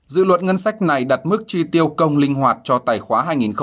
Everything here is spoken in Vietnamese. dự luật ngân sách này đặt mức chi tiêu công linh hoạt cho tài khoá hai nghìn hai mươi